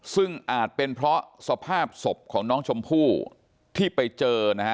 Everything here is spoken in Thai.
ซึ่งอาจเป็นเพราะสภาพศพของน้องชมพู่ที่ไปเจอนะฮะ